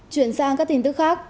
chuyển sang các tin tức khác